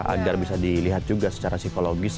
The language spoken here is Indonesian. agar bisa dilihat juga secara psikologis